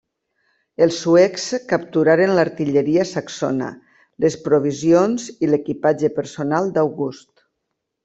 Els suecs capturaren l'artilleria saxona, les provisions i l'equipatge personal d'August.